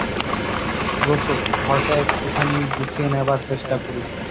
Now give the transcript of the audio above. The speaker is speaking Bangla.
রসো, ঘরটা একটুখানি গুছিয়ে নেবার চেষ্টা করি।